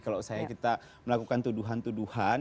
kalau saya kita melakukan tuduhan tuduhan